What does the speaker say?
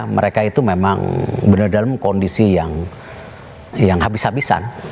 mereka itu memang benar dalam kondisi yang habis habisan